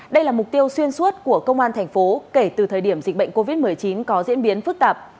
đây là mục tiêu xuyên suốt của công an thành phố kể từ thời điểm dịch bệnh covid một mươi chín có diễn biến phức tạp